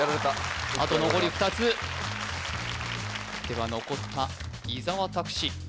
あと残り２つやられたでは残った伊沢拓司